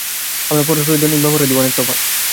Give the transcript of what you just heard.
আবার পরস্পরের দৈনিক ব্যবহারাদিরও অনেক তফাত।